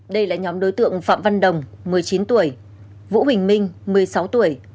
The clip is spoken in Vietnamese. đây là nhóm đối tượng phạm văn đồng một mươi chín tuổi vũ huỳnh minh một mươi sáu tuổi